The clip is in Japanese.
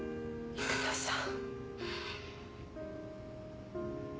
育田さん。